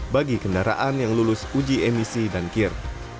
bagi kendaraan yang lulus uji emisi dan kir